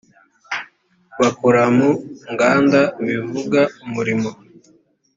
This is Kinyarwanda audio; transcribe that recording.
bakora mu nganda bivuga umurimo